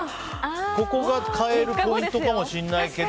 ここがポイントかもしれないけど。